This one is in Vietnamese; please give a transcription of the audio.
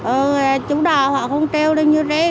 ừ chủ đò họ không treo đi như đi